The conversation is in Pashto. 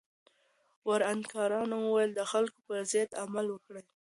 ورانکاران ولې د خلکو پر ضد عمل کوي؟